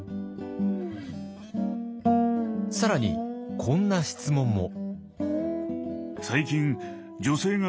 更にこんな質問も。